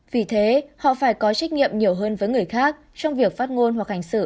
vì thế họ phải có trách nhiệm nhiều hơn với người khác trong việc phát ngôn hoặc hành xử